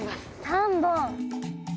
３本！